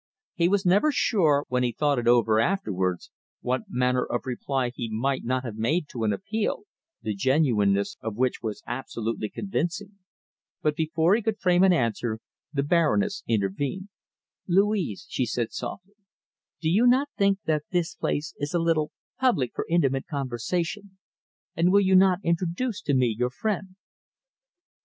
He was never sure, when he thought it over afterwards, what manner of reply he might not have made to an appeal, the genuineness of which was absolutely convincing. But before he could frame an answer, the Baroness intervened. "Louise," she said softly, "do you not think that this place is a little public for intimate conversation, and will you not introduce to me your friend?"